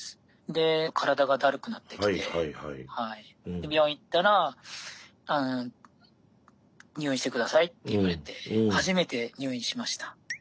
で体がだるくなってきてで病院行ったら「入院して下さい」って言われて初めて入院しました。